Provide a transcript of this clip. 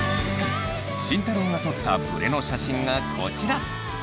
慎太郎が撮ったブレの写真がこちら。